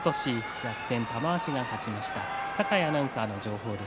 逆転玉鷲が勝ちました。